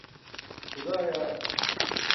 xudaa yaar